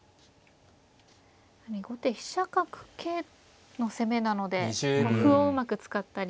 後手飛車角桂の攻めなので歩をうまく使ったり。